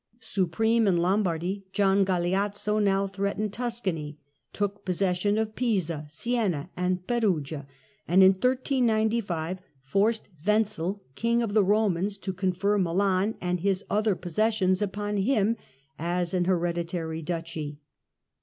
Supreme in Lombardy, Gian Galeazzo now threatened Tuscany, took possession of Pisa, Sienna and Perugia, and in 1395 forced Wenzel King of the Romans to confer Milan and his other possessions upon him as an Milan hereditary Duchy.